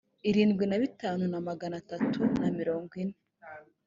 irindwi na bitanu na magana atatu na mirongo ine